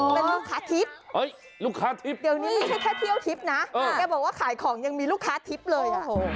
เป็นลูกค้าทิพย์ลูกค้าทิพย์เดี๋ยวนี้ให้แค่เที่ยวทิพย์นะแกบอกว่าขายของยังมีลูกค้าทิพย์เลย